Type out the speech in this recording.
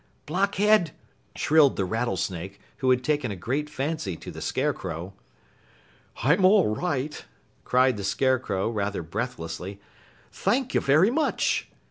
"Blockhead!" shrilled the Rattlesnake, who had taken a great fancy to the Scarecrow. "I'm all right," cried the Scarecrow rather breathlessly. "Thank you very much!"